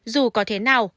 dù có thế nào